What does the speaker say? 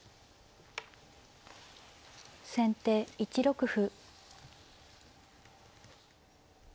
先手１六歩。